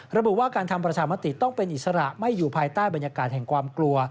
ระบุว่าการทำประชามติต้องเป็นอิสระไม่อยู่ภายใต้บรรยากาศแห่งความกลัว